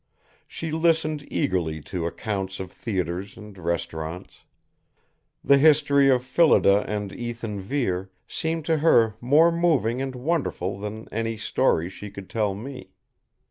She listened eagerly to accounts of theatres and restaurants. The history of Phillida and Ethan Vere seemed to her more moving and wonderful than any story she could tell me.